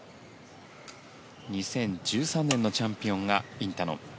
２０１３年のチャンピオンがインタノン。